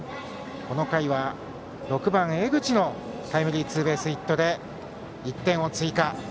この回は６番、江口のタイムリーツーベースヒットで１点を追加。